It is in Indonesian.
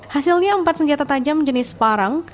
hasilnya empat senjata tajam jenis parang